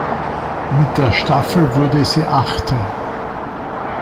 Mit der Staffel wurde sie Achte.